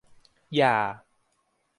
อย่า